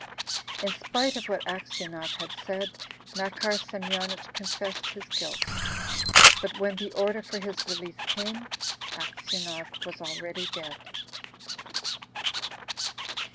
In spite of what Aksionov had said, Makar Semyonich confessed his guilt. But when the order for his release came, Aksionov was already dead.